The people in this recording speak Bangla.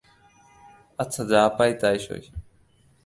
আচ্ছা, যা পাই তাই সই।